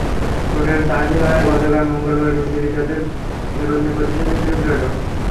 ভোটের চার দিন আগে গতকাল মঙ্গলবার বিজেপি তাদের নির্বাচনী প্রতিশ্রুতি তুলে ধরল।